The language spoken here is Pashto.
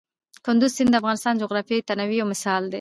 کندز سیند د افغانستان د جغرافیوي تنوع یو مثال دی.